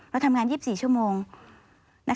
เราทำงาน๒๔ชั่วโมง